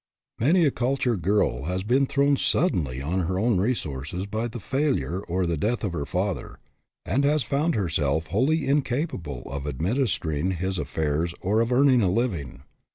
Many a cultured girl has been thrown sud denly on her own resources by the failure or the death of her father, and has found her self wholly incapable of administering his af fairs or of earning a living.